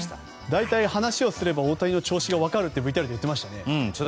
大体話をすれば大谷の調子が分かるとＶＴＲで言っていましたね。